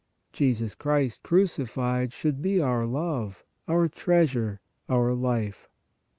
Jesus Christ crucified should be our love, our treasure, our life.